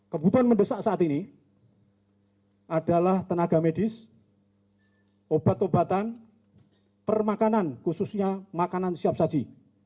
kebutuhan mendesak saat ini adalah tenaga medis obat obatan permakanan khususnya makanan siap saji